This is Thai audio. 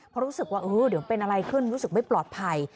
เพราะรู้สึกว่าเดี๋ยวเป็นอะไรขึ้นรู้สึกไม่ปลอดภัย